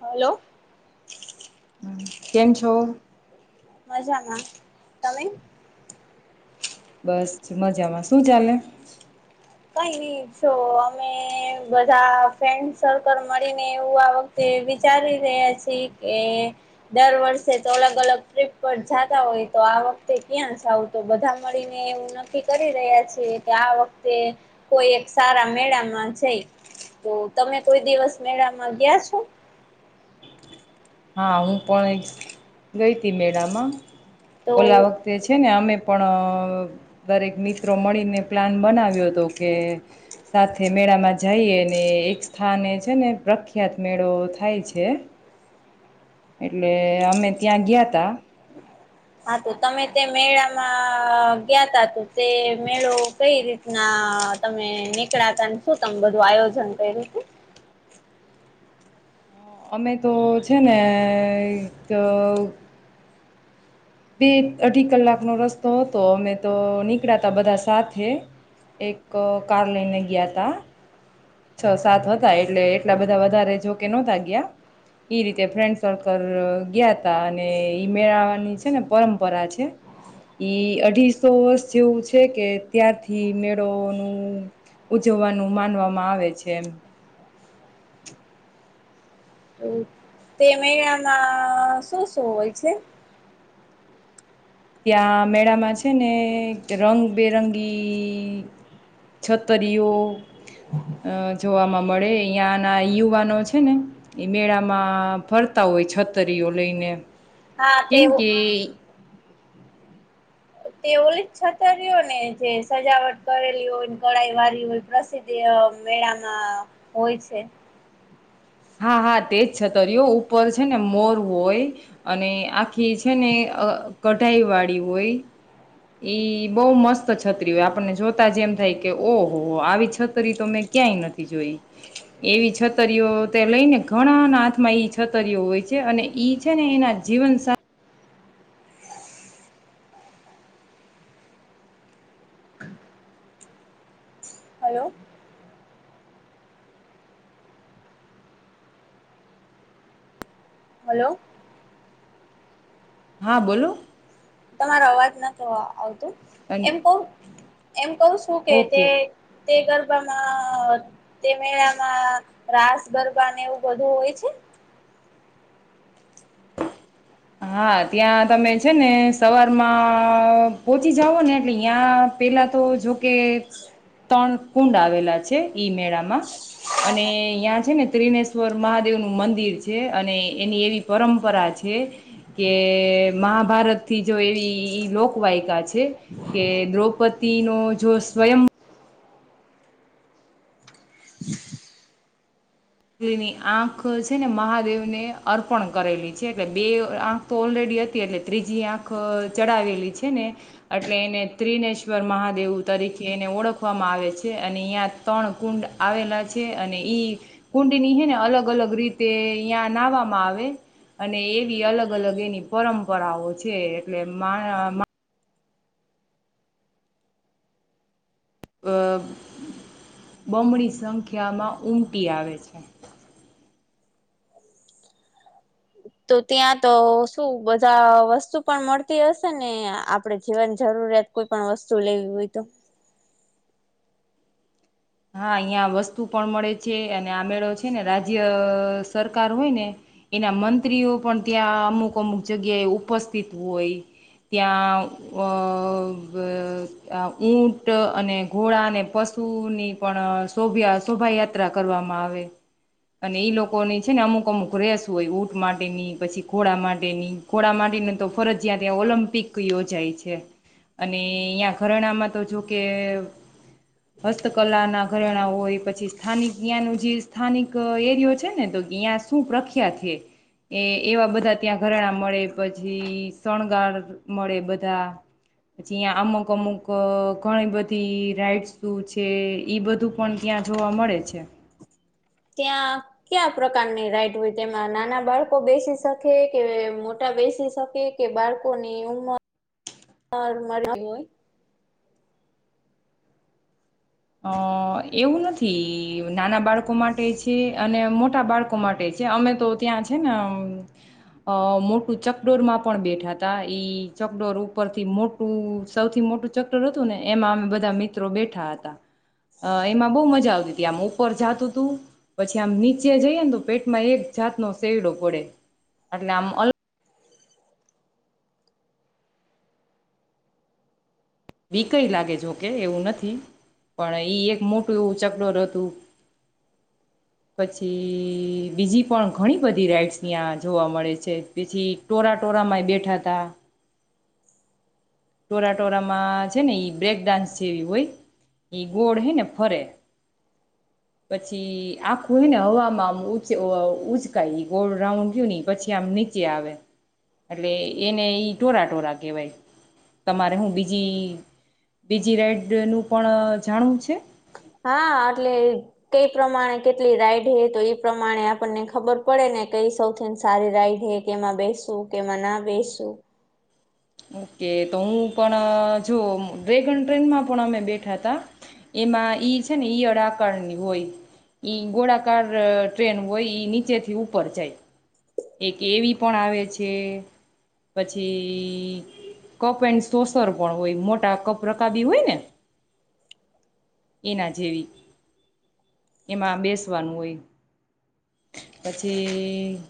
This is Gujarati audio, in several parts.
હલોો. કેન્ છો. મજામાં તમે. બસ મજામાં શું ચાલે? કઈ નહી જો અમે બધા ફ્રેન્ડ સર્કલ મળીને એવું આ વખતે વિચારી રહ્યા છીએ કે દર વર્ષે તો અલગ અલગ ટ્રીપ પર જતા હોય તો આ વખતે ક્યાં જાવ તો બધા મળીને એવું નક્કી કરી રહ્યા છીએ કે આ વખતે તે કોઈ એક સારા મેળામાં જઈ તો તમે કોઈ દિવસ મેળામાં ગયા છો. હા હું પણ એક ગઈ હતી મેળામાં. તો ઓલા વખતે છે ને અમે પણ દરેક મિત્રો મળીને પ્લાન બનાવ્યો હતો કે સાથે મેળામાં જઈને એક સ્થાને છે ને પ્રખ્યાત મેળો થાય છે. એટલે અમે ત્યાં ગયા તા. હા તો તમે તે મેળામાં ગયા ત તો તે મેળો કઈ રીતના તમે નીકળાતા શું તમે બધું આયોજન કર્યું હતું. અમે તો છે ને એક બે અઢી કલાકનો રસ્તો હતો અમે તો નીકળ્યા ત બધા સાથે એક કાર લઈને ગયા તા છ સાત હતા એટલે એટલા બધા વધારે જો કે નહોતા ગયા ઈ રીતે ફ્રેન્ડ સર્કલ ગયા ત અને ઈ મેળાની છે ને પરંપરા છે ઈ અઢીસો વર્ષ જેવું છે કે ત્યારથી મેળોનુંું ઉજવવાનું માનવા મા આવે છે. હતું? તે મહિનામાં શું શું હોય છે. ત્યાં મેળામાં છે ને રંગબેરંગી છતરીઓ જોવાવામાં મળે અ્યાંના યુવાનો છે ને એ મેળામાં ફરતા હોય છતરીઓ લઈને. હા તે કેમ કે તે ઓલી છતઓ ને જે સજાવટ કરેલી હોય કળાઈ વાળ હોય પ્રસિદ્ધ મેળામાં હોય છે. હા હા તેજ છતરીઓ ઉપર છે ને મોર હોય અને આખી છે ને કઢાઈ વાળી હોય એ બહુ મસ્ત છતરી હોય આપણને જોતા જે એમ થાય કે ઓહ હો આવી છતરી તો મેં ક્યાંય નથી જોઈ એવી છતરીઓ તે લઈને ઘણાના હાથમાં છતરીઓ હોય છે અને ઈ છે ને એના જીવનસા હલો. હલો. હા બોલો તમારો અવાજ ન તો આવ અને એમ બહ એમ કઉ શું કે તે ઓકે તે ગરબામાં તે મેળામાં રાસ ગરબાને એવું બધું હોય છે હા ત્યાં તમે છે ને સવારમાં પોહોચી જઓ ને એટલે ત્યાં પેલા તો જોકે ત્રણ કુંડ આવેલા છે ઈ મેળામાં અને યાં છે ને ત્રિનેશ્વર મહાદેવનું મંદિર છે અને એની એવી પરંપરા છે કે મહાભારત થી જો એવી ઈ લોકવાયકાા છે કે દ્રૌપદી નો જો સ્વયં ની આંખ છે ને મહાદેવને અર્પણ કરેલી છે એટલે બે આંખ તો ઓલરેડી હતી એટલે ત્રીજી આંખ ચડાવેલી છે ને એટલે એને ત્રિનેશ્વર મહાદેવ તરીકે એને ઓળખવામાં આવે છે અને અહ્ય ત્રણ કુંડ આવેલા છે અને ઈ કુંડની હે ને અલગ અલગ રીતે અયાં નાહવામાં આવે અને એવી અલગ અલગ એની પરંપરાઓ છે એટલે મા બમણી સંખ્યામાં ઉમટી આવે છે. તો ત્યાં તો શું બધા વસ્તુ પણ મળતી હશે ને આપડે જીવન જરૂરિયાત કોઈ પણ વસ્તુ લેવી હોય તો હા, અહિયાં વસ્તુ પણ મળે છે આ મેળો છે ને રાજ્ય સરકાર હોય ને એના મંત્રીઓ પણ ત્યાં અમુક અમુક જગ્યાએ ઉપસ્થિત હોય ત્યાં ઊંટ અને ઘોડાને પશુની પણ શભ શોભાયાત્રા કરવામાં આવે અને ઈ લોકોની છે ને અમુક અમુક રેસ હોય ઊંટ માટેની, પછી ઘોડા માટેની, ઘોડા માટેની તો ફરજિયાત ત્યાં ઓલમ્પિક યોજાય છે અને અ્યાં ઘરાણામાં તો જોકે હસ્ત કલા ના ઘરેણા હોય, પછી સ્થાનિક ત્યાંનુ જે સ્થાનિક એરિયો છે ને તો ત્યાં શું પ્રખ્યાત છે, એ એવા બધા ત્યાં ઘરેણા મળે પછી, શણગાર મળે બધા પછી અહીં અમુક અમુક ઘણી બધી રાઈડ શું છે જે ઈ બધું પણ ત્યાં જોવા મળે છે ત્યાં કયા પ્રકારની રાઈટ હોય તેમાં નાના બાળકો બેસી શકે કે મોટા બેસી શકે કે બાળકોની ઉમર મળ હોય અ એવું નથી નાના બાળકો માટે છે, અને મોટા બાળકો માટે છે, અમે તો ત્યાં છે ને અ મોટું ચકડોર માં પણ બેઠા હતા, ઈ ચકડોર ઉપરથી મોટું સૌથી મોટું ચકડોર હતું ને એમાં અમે બધા મિત્રો બેઠા હતા અ એમાં બહુ મજા આવતી હતી આમ ઉપર જાતું તું, પછી આમ નીચે જઈએ ને તો પેટમાં એક જાતનો સેડો પડે એટલે આમ અલ બીકય લાગે જો કે એવું નથી પણ ઈ એક મોટું એવું ચગડોળ હતું પછી બીજી પણ ઘણી બધી રાઈડ્સ ત્યાં જોવા મળે છે, પછી ટોરા ટોરામાંય બેઠા તા ટોરા ટોરામાં છે ને આ બ્રેક ડન્સ જેવી હોય એ ગોળ હે ને ફરે, પછી આખું હ ને હવામાં આમચ ઉઊંચકાય ગોળ રાઉન્ડ ગયું પછી આમ નીચે આવે એટલે એને ઈ ટોરા ટોરા, કહેવાય તમારે હું બીજી, બીજી રાઈડનું પણ જાણવું છે હા, એટલે કઈ પ્રમાણે કેટલી રાઈડ હે તો એ પ્રમાણે આપણને ખબર પડે ને કઈ સૌથી સારી રાઈડ હે કેમાં બેસું કેમાં ના બેસવું ઓકે તો હું પણ જો ડ્રેગન ટ્રેનમાં પણ અમે બેઠા તા એમાં ઈ છે ને ઈયળકારની હોય ઈ ગોળાકાર ટ્રેન હોય નીચેથી ઉપર જાય એક એવી પણ આવે છે પછી, કપ એન્ડ સોસર પણ હોય મોટા કપ રકાબી હોય ને એના જેવી, એમાં બેસવાનું હોય પછી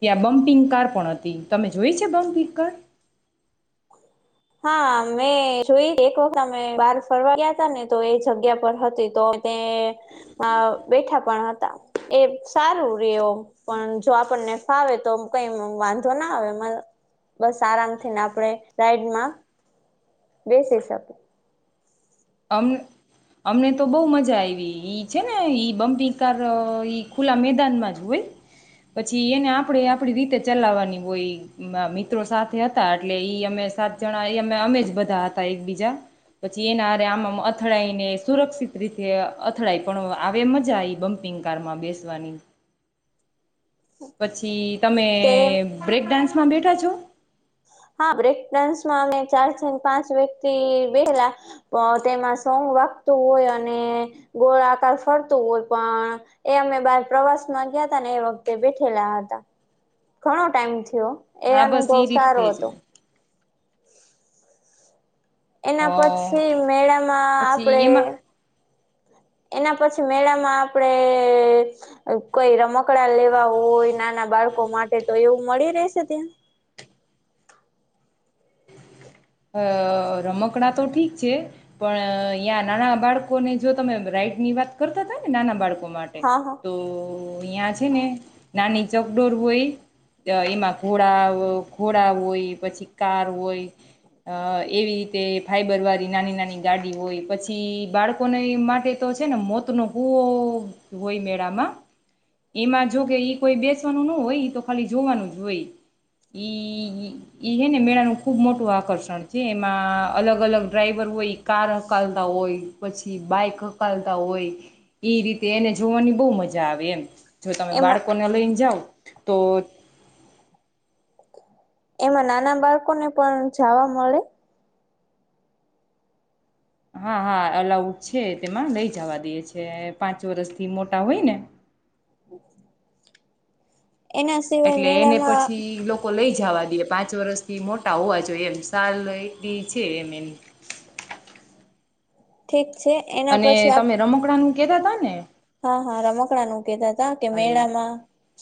ત્યાં બમ્પિંગ કાર પણ હતી, તમે જોય છે બમ્પિંગ કાર હા મેં જોઈ એક વખત અમે બહાર ફરવા ગયા હતા ને તો એ જગ્યા પર હતી તો તે બેઠા પણ હતા, એ સારું રવ પણ જો આપણને ફાવે તો કઈ વાંધો ના આવે મ બસ આરામથીને આપણે રાઈડમાં બેસી શકે અ અમને તો બહુ મજા આઈવી ઈ છે ને ઈ બમ્પિંગ કાર ઈ ખુલ્લા મેદાનમાં જ હોય પછી એને આપણે આપડી રીતે ચલાવવાની હોય મિત્રો સાથે હતા એટલે ઈ અમે સાત જણા એ અમે અમે જ બધા હતા એક બીજા પછી એના આમમ અથડાાયને સુરક્ષિત રીતે અથડાય પણ આવે મજા આવી બમ્પિંગ કારમાં બેસવાની પછી તમે તે બ્રેક ડાન્સ માં બેઠા છો? હા બ્રેકન્સમાં અમે ચાર પાંચ વ્યક્તિ બેલા તેમાં સોંગ વાગતું હોય અને ગોળ આકાર ફરતું હોય પણ એ અમે બાર પ્રવાસ માં ગયા હતા ને એ વખતે બેઠેલા હતા. ઘણો ટાઈમ થયો. એ હા બસ અનુભવ સારો રીતે જ હતો. અ એના પછી મેળામાં આપડે પછી એમાં એના પછી મેળામાં આપડે કોઈ રમકડા લેવા હોય નાના બાળકો માટે તો એવું મળી રહેશે ત્યાં? અ રમકડા તો ઠીક છે પણ અહીંયા નાના બાળકોને જો તમે રાઈટ ની વાત કરતા હતા ને નાના બાળકો. માટે હા હા તો અહં છે ને નાની ચકડોર હોય એમાં ઘોડા ઘોડા હોય, પછી કાર હોય. અ એવી રીતે ફાઈબર વાળી નાની નાની ગાડી હોય પછી બાળકોને માટે તો છે ને મોતનો કુવો હોય મેળામાં એમાં જો કે ઈ કોઈ બેસવાનું ન હોય તો ખાલી જોવાનું જ હોય ઈ ઈ છે ને મેળાનું ખૂબ મોટું આકર્ષણ. જે એમાં અલગ અલગ ડ્રાઈવર હોય કાર હકલતા હોય પછી બાઈક હકાલતા હોય એ રીતે એને જોવાની બહુ મજા આવે એમ જો તમે એમાં બાળકોને લઈને જાઓ. તો એમાં નાના બાળકોને પણ જાવા મળે હા હા અલાઉટ છે તેમાં લઈ જવા દેએ છે પાંચ વરષથી મોટા હોય ને એના સિવાય મેળામાં વા દએ પાંચ વર્ષથી મોટા હોવા જોઈએ એમ સાલ એટલી છે એમ એમ ઠીક છે એના અને પછી આપ તમે રમકડાનું કેતા હતા ને હા હા રમકડા નું કેતા તા કે હલો મેળામાં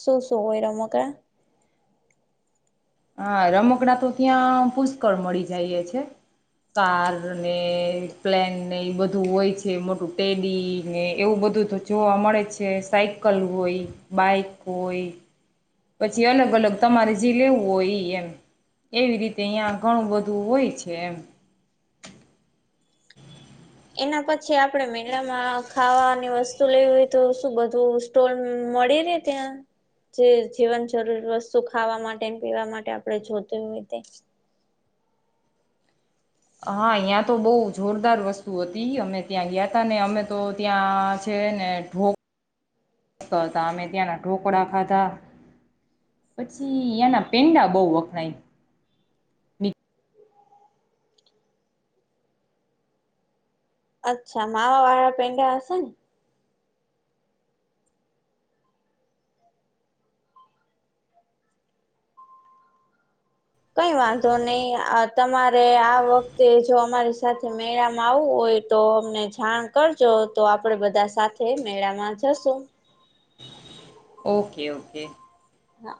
શું શું હોય રમકડા રમકડા હા રમકડા તો ત્યાં પુષ્કળ મળી જાય છે કાર ને પ્લેન ને એ બધું હોય છે, મોટું ટેડી ને એવું બધું તો જોવા મળે છે, સાયકલ હોય, બાઈક હોય. પછી અલગ અલગ તમારે જે લેવું હોય એમ એવી રીતે અહીંયા ઘણું બધું હોય છે એમ એના પછી આપણે મેળામાં ખાવાની વસ્તુ લેવી હોય તો શું બધું સ્ટોર મળી રે ત્યાં જે જીવન જરૂરી વસ્તુ ખાવા માટે પીવા માટે આપણે જોતી હોય તે હા ત્યાં તો બહુ જોરદાર વસ્તુ હતી અમે ત્યાં ગયા ત ને અમે તો ત્યાં છે ને હતા અમે ત્યાંના ઢોકળા ખાધા, પછી ત્યાંના પેંડા બહ વખણાય. અચ્છા માવ વાળા પેંડા હશે ને? કઈ વાંધો નહી. તમારે આ વખતે જો અમારી સાથે મેળામાં આવવું હોય તો અમને જાણ કરજો તો આપડે બધા સાથે મેળામાં જશું ઓકે ઓકે હા